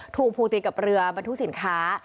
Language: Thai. ถูกภูติดกับเรือบรรทุกสินค้า